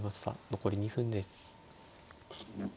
残り２分です。